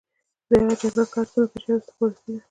دغه جګړه که هر څومره پېچلې او استخباراتي ده.